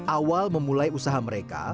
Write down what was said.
awal memulai usaha mereka